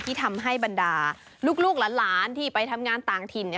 ที่ทำให้บรรดาลูกหลานที่ไปทำงานต่างถิ่น